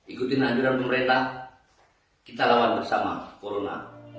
ikutin anjuran pemerintah kita lawan bersama corona